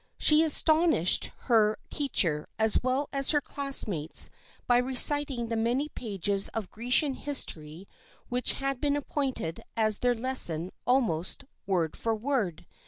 She astonished her teacher as well as her classmates by reciting the many pages of Grecian history which had been appointed as their lesson almost " word for word."